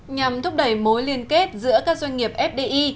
nhằm thúc đẩy mối liên kết giữa các doanh nghiệp fdi